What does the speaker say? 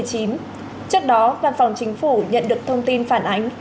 trước đó văn phòng chính phủ nhận được thông tin phản ánh